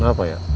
gak apa ya